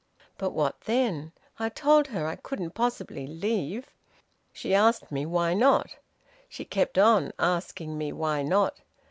But what then? I told her I couldn't possibly leave. She asked me why not. She kept on asking me why not.